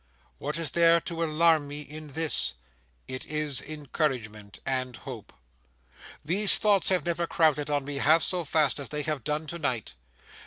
What is there to alarm me in this? It is encouragement and hope. These thoughts have never crowded on me half so fast as they have done to night.